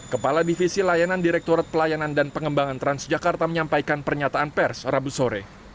kepala divisi layanan direktorat pelayanan dan pengembangan transjakarta menyampaikan pernyataan pers rabu sore